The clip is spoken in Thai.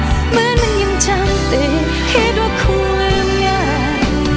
เหมือนมันยังจำเป็นคิดว่าคงลืมง่าย